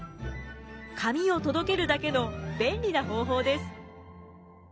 紙を届けるだけの便利な方法です。